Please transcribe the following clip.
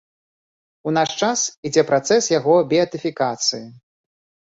У наш час ідзе працэс яго беатыфікацыі.